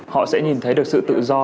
họ sẽ nhìn thấy được sự tự do